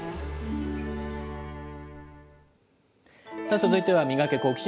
続いてはミガケ、好奇心！